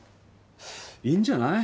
いいんじゃない？